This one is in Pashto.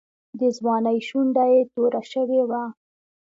د ځوانۍ شونډه یې توره شوې وه.